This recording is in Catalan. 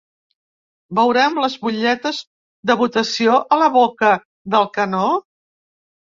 Veurem les butlletes de votació a la boca del canó?